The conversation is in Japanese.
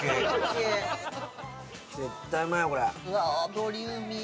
ボリューミー。